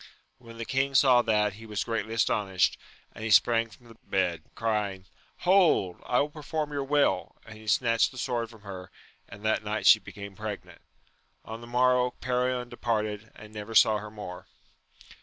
When the king saw that, he was greatly astonished, and he sprang from the bed, crying, hold ! I will perform your will ! and he snatched the sword from her, and that night she became pregnant. On the morrow Perion departed, and never saw her more.